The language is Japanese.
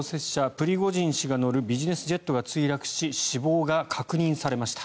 プリゴジン氏が乗るビジネスジェットが墜落し死亡が確認されました。